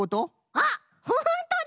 あっほんとだ！